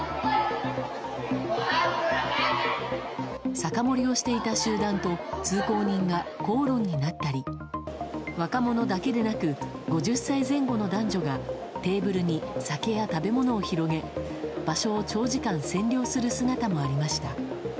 酒盛りをしていた集団と通行人が口論になったり若者だけでなく５０歳前後の男女がテーブルに酒や食べ物を広げ場所を長時間占領する姿もありました。